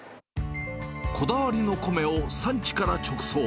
こだわりの米を産地から直送。